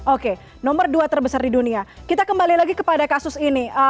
oke nomor dua terbesar di dunia kita kembali lagi kepada kasus ini